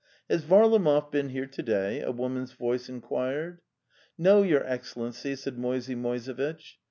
'Has Varlamov been here to day?" a woman's voice inquired. 'No, your Excellency," said Moisey Moisevitch.